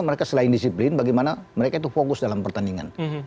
mereka selain disiplin bagaimana mereka itu fokus dalam pertandingan